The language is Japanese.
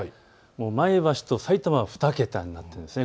前橋とさいたまは２桁になっています。